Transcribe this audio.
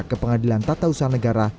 ke pengadilan tata usaha negara